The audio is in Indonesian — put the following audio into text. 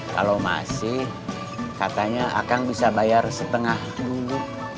kalau masih katanya akan bisa bayar setengah minggu